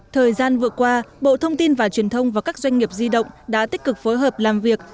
thời gian vừa qua bộ thông tin và truyền thông và các doanh nghiệp di động đã tích cực phối hợp làm việc